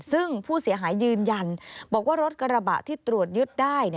ซึ่งผู้เสียหายยืนยันบอกว่ารถกระบะที่ตรวจยึดได้